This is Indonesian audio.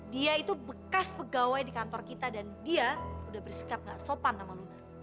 dia itu bekas pegawai di kantor kita dan dia udah bersikap gak sopan sama lunar